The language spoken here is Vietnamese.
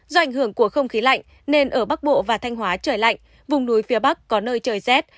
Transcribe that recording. do ảnh hưởng của không khí lạnh nên ở bắc bộ và thanh hóa trời lạnh vùng núi phía bắc có nơi trời rét